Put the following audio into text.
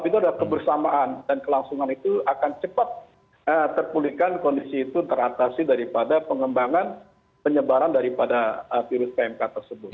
itu adalah kebersamaan dan kelangsungan itu akan cepat terpulihkan kondisi itu teratasi daripada pengembangan penyebaran daripada virus pmk tersebut